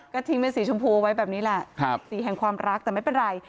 ก็ทิ้งเป็นสีชมพูเอาไว้แบบนี้แหละสีแห่งความรักแต่ไม่เป็นไร